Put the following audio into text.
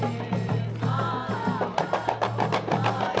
insyur apa ya